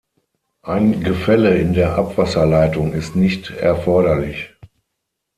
Ein Gefälle in der Abwasserleitung ist nicht erforderlich.